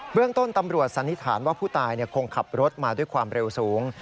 เรื่องต้นตำรวจสันนิษฐานว่าผู้ตายคงขับรถมาด้วยความเร็วสูง